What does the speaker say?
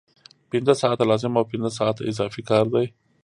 پنځه ساعته لازم او پنځه ساعته اضافي کار دی